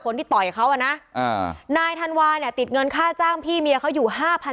ที่ต่อยเขาอ่ะนะนายธันวาเนี่ยติดเงินค่าจ้างพี่เมียเขาอยู่๕๐๐